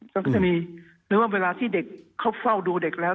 มันก็จะมีนึกว่าเวลาที่เด็กเขาเฝ้าดูเด็กแล้ว